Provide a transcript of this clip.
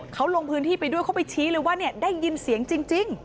เขาลงพื้นที่ไปด้วยเขาไปชี้เลยว่าได้ยินเสียงจริง